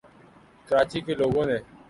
کراچی کے لوگوں نے